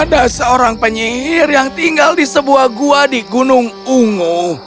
ada seorang penyihir yang tinggal di sebuah gua di gunung ungu